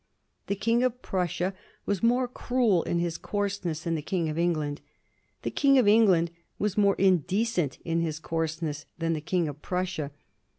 The King of Prussia was more cruel in his coarseness than the King of England. The King of England was more indecent in his coarseness than the King of Prussia.